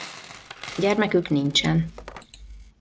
Gyermekük nincsen.